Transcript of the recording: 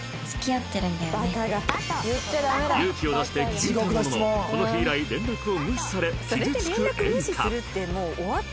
勇気を出して聞いたもののこの日以来連絡を無視され傷つくエリカ